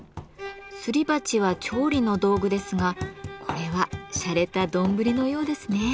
すり鉢は調理の道具ですがこれはしゃれた丼のようですね。